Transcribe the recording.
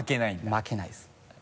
負けないですね。